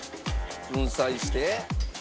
粉砕して。